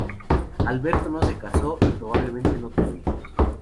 Alberto no se casó y probablemente no tuvo hijos.